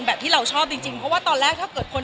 แบบที่เราชอบจริงจริงเพราะว่าตอนแรกถ้าเกิดคน